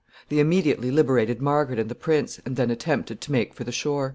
They immediately liberated Margaret and the prince, and then attempted to make for the shore.